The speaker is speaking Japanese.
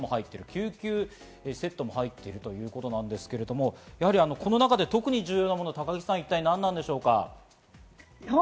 救急セットも入っているということなんですけれども、この中で特に重要なもの、高木さん、何ですか？